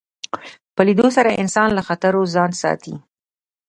په لیدلو سره انسان له خطرو ځان ساتي